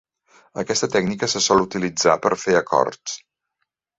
Aquesta tècnica se sol utilitzar per fer acords.